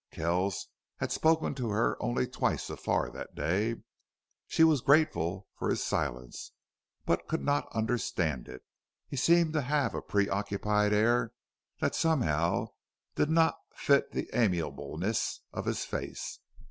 Kells had spoken to her only twice so far that day. She was grateful for his silence, but could not understand it. He seemed to have a preoccupied air that somehow did not fit the amiableness of his face.